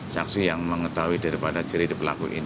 saksi yang mengetahui daripada ciri pelaku ini